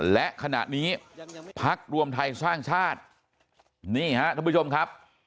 และขณะนี้พักรวมไทยสร้างชาตินี่ฮะท่านผู้ชมครับ